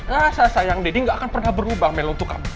rasa sayang daddy nggak akan pernah berubah mel untuk kamu